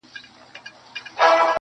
غواړي پاچا د نوي نوي هنرونو کیسې,